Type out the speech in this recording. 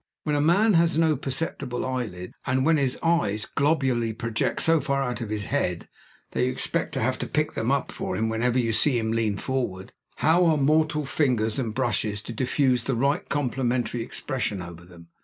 When a man has no perceptible eyelids, and when his eyes globularly project so far out of his head, that you expect to have to pick them up for him whenever you see him lean forward, how are mortal fingers and bushes to diffuse the right complimentary expression over them?